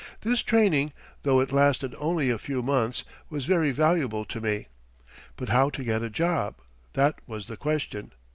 This training, though it lasted only a few months, was very valuable to me. But how to get a job that was the question.